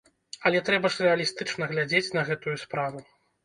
Але трэба ж рэалістычна глядзець на гэтую справу.